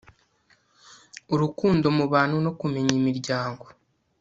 urukundo mu bantu no kumenya imiryango